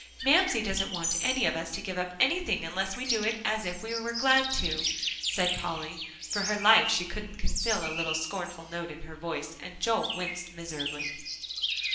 "Mamsie doesn't want any of us to give up anything unless we do it as if we were glad to," said Polly. For her life, she couldn't conceal a little scornful note in her voice, and Joel winced miserably.